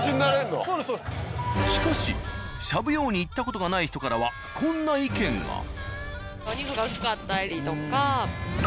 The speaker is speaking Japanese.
しかし「しゃぶ葉」に行った事がない人からはこんな意見が。